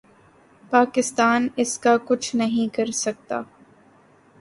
پاکستان اس کا کچھ نہیں کر سکتا۔